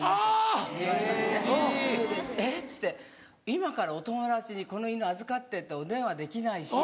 今からお友達に「この犬預かって」ってお電話できないし。